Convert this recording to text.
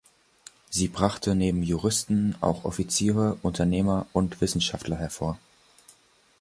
Sie brachte neben Juristen auch Offiziere, Unternehmer und Wissenschaftler hervor.